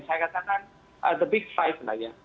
saya katakan the big five lah ya